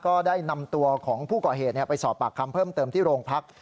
ก็ได้นำตัวของผู้ก่อเหตุไปสอบปากคำเพิ่มเติมที่โรงพัก